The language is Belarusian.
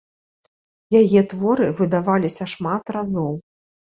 Яе творы выдаваліся шмат разоў.